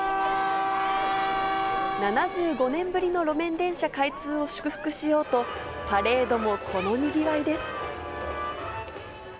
７５年ぶりの路面電車開通を祝福しようと、パレードもこのにぎわいです。